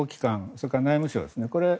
それから内務省ですね。